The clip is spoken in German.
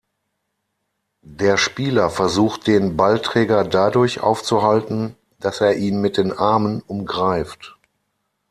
Der Spieler versucht den Ballträger dadurch aufzuhalten, dass er ihn mit den Armen umgreift.